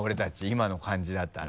今の感じだったら。